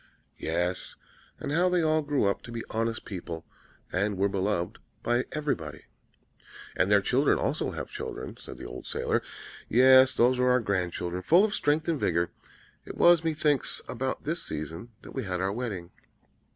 "'Yes, and how they all grew up to be honest people, and were beloved by everybody.' "'And their children also have children,' said the old sailor; 'yes, those are our grand children, full of strength and vigor. It was, methinks about this season that we had our wedding.'